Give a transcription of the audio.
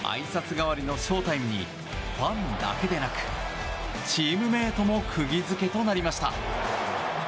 代わりのショウタイムにファンだけでなくチームメートもくぎ付けとなりました。